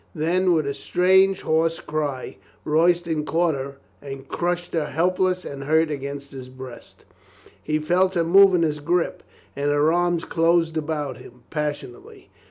Then, with a strange, hoarse cry, Royston caught her and crushed her helpless and hurt against his breast. He felt her move in his grip and her arms closed about him passionately.